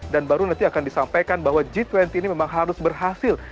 dan baru nanti akan disampaikan bahwa g dua puluh ini memang harus berhasil